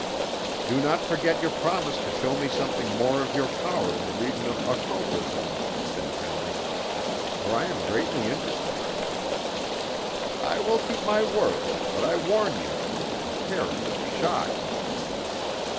"Do not forget your promise to show me something more of your power in the region of occultism," said Henley, "for I am greatly interested." "I will keep my word, but I warn you to prepare for a shock!"